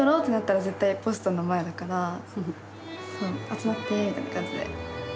「集まって！」みたいな感じで。